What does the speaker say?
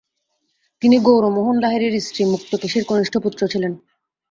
তিনি গৌরমোহন লাহিড়ীর স্ত্রী, মুক্তকেশীর কনিষ্ঠ পুত্র ছিলেন।